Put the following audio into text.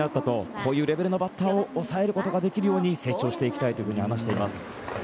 こういうレベルのバッターを抑えられるように成長していきたいと話していました。